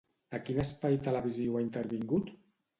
A quin espai televisiu ha intervingut?